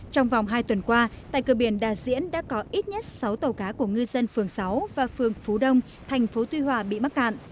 trong vòng hai tuần qua tại cửa biển đà diễn đã có ít nhất sáu tàu cá của ngư dân phường sáu và phường phú đông thành phố tuy hòa bị mắc cạn